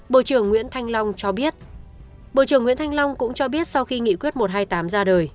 bộ trưởng nguyễn thanh long cho biết sau khi nghị quyết một trăm hai mươi tám ra đời